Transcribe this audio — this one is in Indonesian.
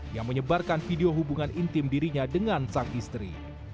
yang menyebarkan video hubungan intim dirinya dengan sang istri